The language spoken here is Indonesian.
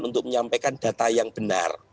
untuk menyampaikan data yang benar